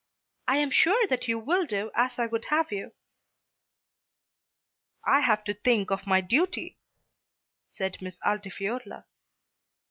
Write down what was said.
I am sure that you will do as I would have you." "I have to think of my duty," said Miss Altifiorla.